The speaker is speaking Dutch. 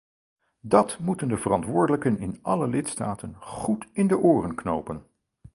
Dat moeten de verantwoordelijken in alle lidstaten goed in de oren knopen!